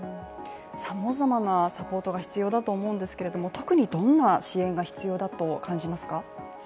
さまざまなサポートが必要だと思うんですけれども特にどんな支援が必要だと感じますか？